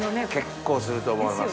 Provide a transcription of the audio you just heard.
結構すると思います。